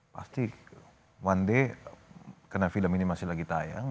pasti one day karena film ini masih lagi tayang